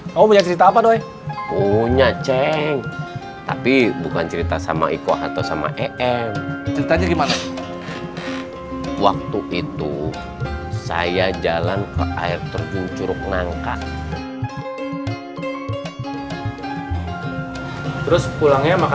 sampai jumpa di video selanjutnya